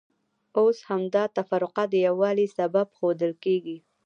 اوس همدا تفرقه د یووالي سبب ښودل کېږي.